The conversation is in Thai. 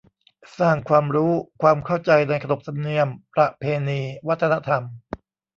สร้างความรู้ ความเข้าใจในขนบธรรมเนียม ประเพณี วัฒนธรรม